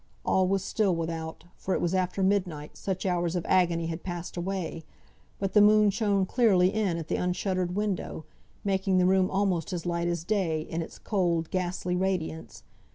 All was still without, for it was after midnight, such hours of agony had passed away; but the moon shone clearly in at the unshuttered window, making the room almost as light as day, in its cold ghastly radiance.